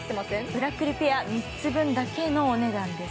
ブラックリペア３つ分だけのお値段です